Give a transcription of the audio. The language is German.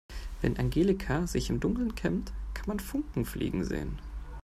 Wenn Angelika sich im Dunkeln kämmt, kann man Funken fliegen sehen.